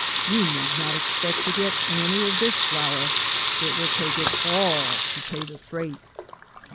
You need not expect to get any of this flour. It will take it all to pay the freight."